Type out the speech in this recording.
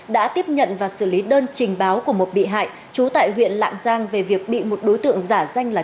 đã tiếp nhận và xử lý đơn trình báo của một bị hại trú tại huyện lạng giang về việc bị một đối tượng giả danh là